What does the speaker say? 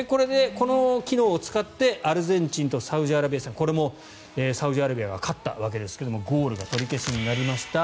この機能を使ってアルゼンチンとサウジアラビア戦これもサウジアラビアが勝ったわけですがゴールが取り消しになりました